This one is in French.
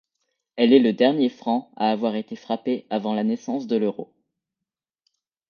Elle est le dernier franc à avoir été frappé avant la naissance de l'euro.